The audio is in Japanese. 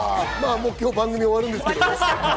もう今日、番組は終わるんですけどね。